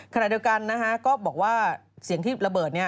ขณะเดียวกันนะฮะก็บอกว่าเสียงที่ระเบิดนี้